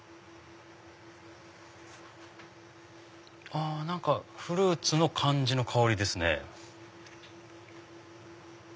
あ何かフルーツの感じの香りですね。